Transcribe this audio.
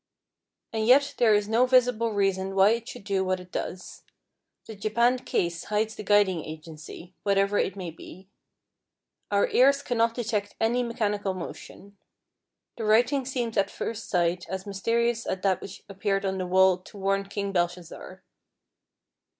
And yet there is no visible reason why it should do what it does. The japanned case hides the guiding agency, whatever it may be. Our ears cannot detect any mechanical motion. The writing seems at first sight as mysterious as that which appeared on the wall to warn King Belshazzar.